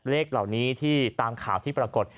เลขเหล่านี้ที่ตามข่าวที่ปรากฏ